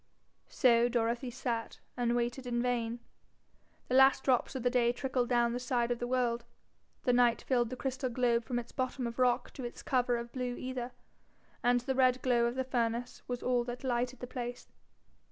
So Dorothy sat, and waited in vain. The last drops of the day trickled down the side of the world, the night filled the crystal globe from its bottom of rock to its cover of blue aether, and the red glow of the furnace was all that lighted the place.